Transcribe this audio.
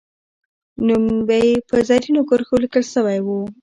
نوم یې به په زرینو کرښو لیکل سوی وو.